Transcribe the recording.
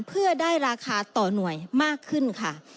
เพื่อได้ราคาต่อหน่วยมากขึ้นค่ะ